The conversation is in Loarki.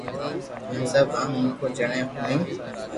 ھين سب عام مينکون جيڻي ھوڻيون